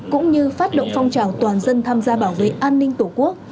cũng như phát động phong trào toàn dân tham gia bảo vệ an ninh tổ quốc